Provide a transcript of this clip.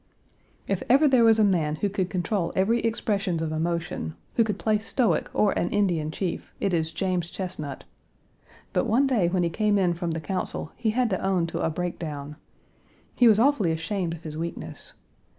If ever there was a man who could control every expression of emotion, who could play stoic, or an Indian chief, it is James Chesnut. But one day when he came in from the Council he had to own to a break down. He was awfully ashamed of his weakness.